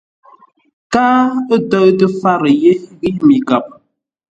Káa ə̂ tə́ʉtə́ fárə yé ghíʼ mi kap.